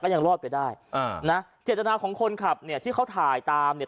ยังรอดไปได้อ่านะเจตนาของคนขับเนี่ยที่เขาถ่ายตามเนี่ย